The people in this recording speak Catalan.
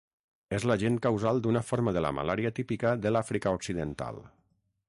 És l'agent causal d'una forma de la malària típica de l'Àfrica Occidental.